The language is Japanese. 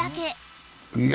いや。